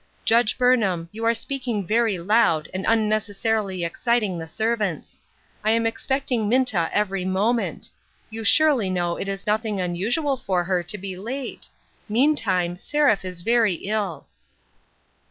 "Judge Burnham, you are speaking very loud, and unnecessarily exciting the servants ; I am expecting Minta every moment ; you surely know it is nothing unusual for her to be late ; meantime, Seraph is very ill."